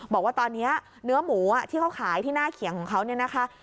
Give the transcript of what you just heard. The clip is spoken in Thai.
บอกว่าตอนนี้เนื้อหมูที่เขาขายที่หน้าเขียงของเขาเนี่ยนะคะ